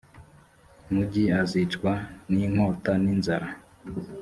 mugi azicwa n’inkota n’inzara